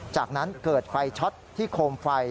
จากนั้นเกิดไฟช็อตที่โคมไฟ